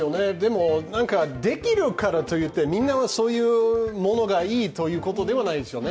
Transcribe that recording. できるからと言ってみんなそういうものがいいってわけじゃないんですよね。